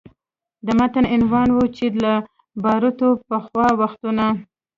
د متن عنوان و چې له باروتو پخوا وختونه